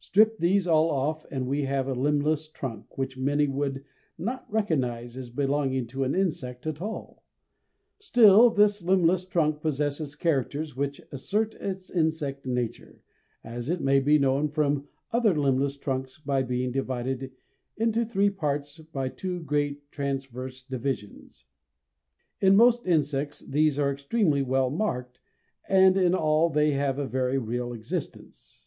strip these all off, and we have a limbless trunk, which many would not recognize as belonging to an insect at all; still this limbless trunk possesses characters which assert its insect nature, as it may be known from other limbless trunks by being divided into three parts by two great transverse divisions; in most insects these are extremely well marked, and in all they have a very real existence.